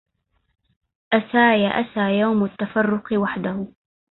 أساي أسى يوم التفرق وحده